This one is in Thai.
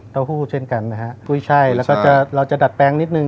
หู้เช่นกันนะฮะกุ้ยช่ายแล้วก็จะเราจะดัดแปลงนิดนึ